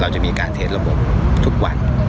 จะมีการเทสระบบทุกวัน